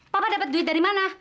papa dapat duit dari mana